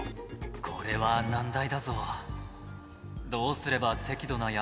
これは難題だぞ